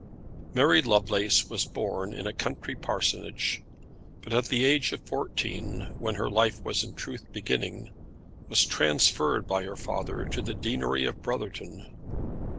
Mary Lovelace was born in a country parsonage; but at the age of fourteen, when her life was in truth beginning, was transferred by her father to the deanery of Brotherton.